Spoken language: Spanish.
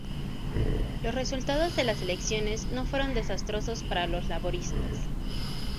Los resultados de las elecciones no fueron desastrosos para los laboristas.